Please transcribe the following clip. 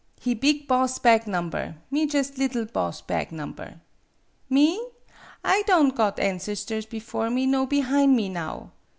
He big boss bag nom ber, me jus' liddle boss bag nomber. Me ? I don' got ancestors before me nor behine me now.